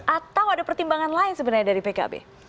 atau ada pertimbangan lain sebenarnya dari pkb